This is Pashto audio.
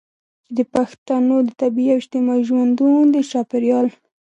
چې د پښتنو د طبیعي او اجتماعي ژوندون د چاپیریال